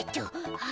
はあ。